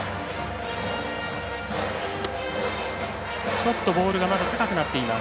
ちょっとボールがまだ高くなっています。